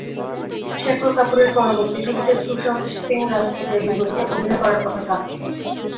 শেখর কাপুরের পরবর্তী ছবিতে সুশান্ত সিং রাজপুতের বিপরীতে অভিনয় করার কথা তাঁর।